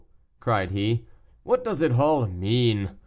cried he, "what does it all mean?